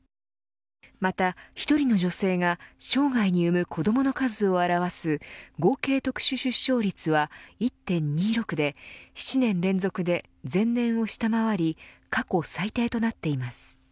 また、１人の女性が生涯に産む子どもの数を表す合計特殊出生率は１．２６で７年連続で前年を下回り過去最低となっています。